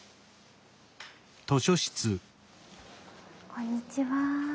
こんにちは。